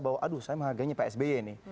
bahwa aduh saya menghargainya psby ini